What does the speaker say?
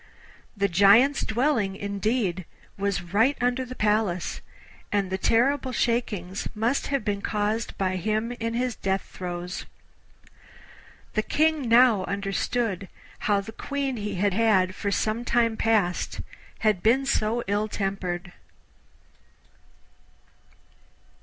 The Giant's dwelling, indeed, was right under the Palace, and the terrible shakings must have been caused by him in his death throes. The King now understood how the Queen he had had for some time past had been so ill tempered.